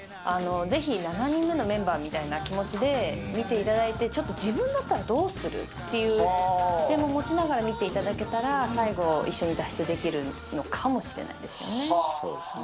ぜひ７人目のメンバーみたいな気持ちで見ていただいて、ちょっと自分だったらどうする？っていう視点も持ちながら見ていただけたら、最後一緒に脱出できそうですね。